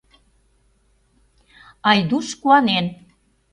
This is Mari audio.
Айдуш куанен.